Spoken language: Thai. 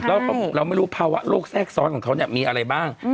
แล้วเราไม่รู้ภาวะโรคแทรกซ้อนของเขาเนี่ยมีอะไรบ้าง